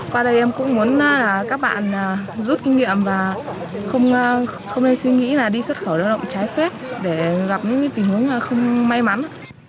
qua đây em cũng muốn các bạn rút kinh nghiệm và không nên suy nghĩ là đi xuất khẩu lao động trái phép để gặp những tình huống không may mắn